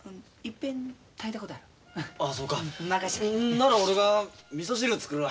なら俺がみそ汁作るわ。